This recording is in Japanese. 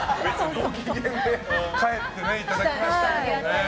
ご機嫌で帰っていただきました。